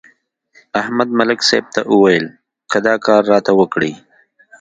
احمد ملک صاحب ته ویل: که دا کار راته وکړې.